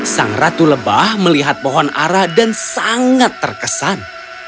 sang ratu lebah melihat pohon ara dan sangat terkesan